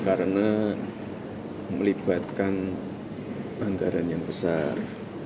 karena melibatkan anggaran yang besar